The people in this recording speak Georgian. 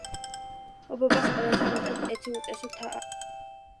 ობობას ყველაზე მეტად ერთი უწესო თაგვი აწუხებდა.